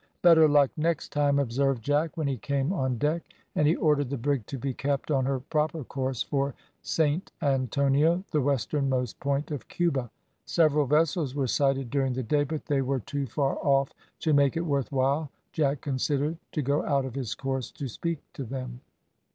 "Better luck next time," observed Jack, when he came on deck, and he ordered the brig to be kept on her proper course for Saint Antonio, the westernmost point of Cuba. Several vessels were sighted during the day, but they were too far off to make it worth while, Jack considered, to go out of his course to speak them.